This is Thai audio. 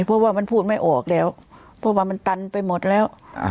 เพราะว่ามันพูดไม่ออกแล้วเพราะว่ามันตันไปหมดแล้ว